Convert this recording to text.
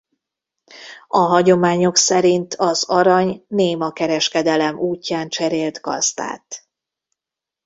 A hagyományok szerint az arany néma kereskedelem útján cserélt gazdát.